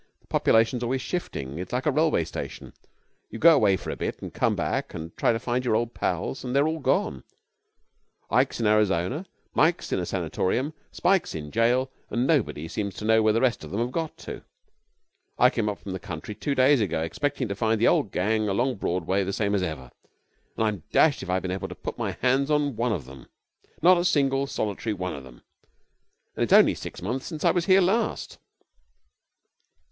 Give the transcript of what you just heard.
The population's always shifting. It's like a railway station. You go away for a bit and come back and try to find your old pals, and they're all gone: Ike's in Arizona, Mike's in a sanatorium, Spike's in jail, and nobody seems to know where the rest of them have got to. I came up from the country two days ago, expecting to find the old gang along Broadway the same as ever, and I'm dashed if I've been able to put my hands on one of them! Not a single, solitary one of them! And it's only six months since I was here last.'